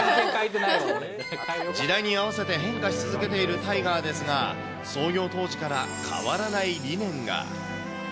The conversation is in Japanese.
時代に合わせて変化し続けているタイガーですが、創業当時から変わらない理念が。